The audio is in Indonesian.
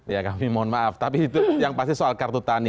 ya kami mohon maaf tapi itu yang pasti soal kartu tani